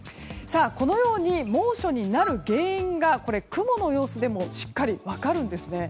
このように猛暑になる原因が雲の様子でもしっかり分かるんですね。